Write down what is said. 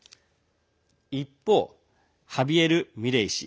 一方、ハビエル・ミレイ氏。